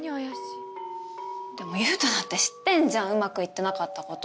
でも雄太だって知ってんじゃんうまくいってなかったこと。